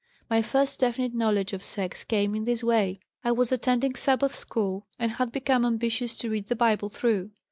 "My first definite knowledge of sex came in this way: I was attending Sabbath school and had become ambitious to read the Bible through.